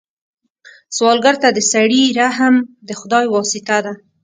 سوالګر ته د سړي رحم د خدای واسطه ده